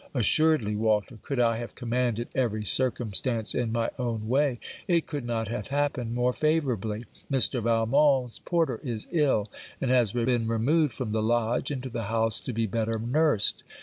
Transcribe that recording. Assuredly, Walter, could I have commanded every circumstance in my own way, it could not have happened more favourably. Mr. Valmont's porter is ill, and has been removed from the lodge into the house to be better nursed.